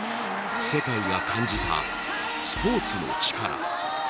世界が感じたスポーツの力。